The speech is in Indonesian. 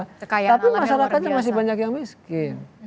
tapi masyarakatnya masih banyak yang miskin